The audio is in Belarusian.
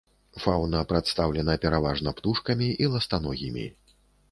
Фаўна прадстаўлена пераважна птушкамі і ластаногімі.